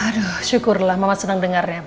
aduh syukurlah mama senang dengarnya